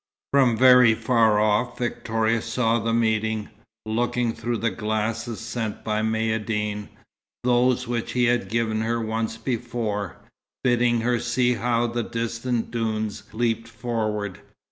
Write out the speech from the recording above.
From very far off Victoria saw the meeting, looking through the glasses sent by Maïeddine, those which he had given her once before, bidding her see how the distant dunes leaped forward.